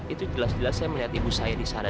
itu jelas jelas saya melihat ibu saya disana